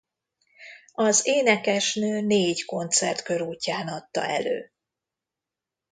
Az énekesnő négy koncertkörútján adta elő.